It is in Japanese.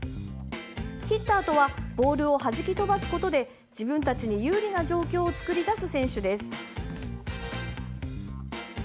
ヒッターとはボールをはじき飛ばすことで自分たちに有利な状況を作り出す選手です。